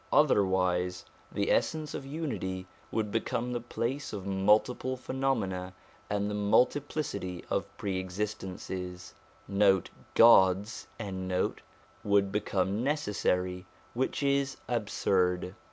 Otherwise the Essence of Unity would become the place of multiple phenomena, and the multiplicity of pre existences 2 would become necessary, which is absurd.